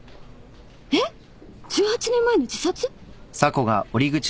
えっ１８年前の自殺！？